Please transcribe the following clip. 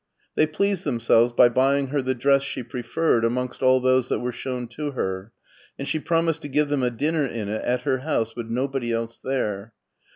'* They pleased themselves by buying her the dress she preferred amongst all those that were shown to her, and she promised to give them a dinner in it at her house with nobody else there.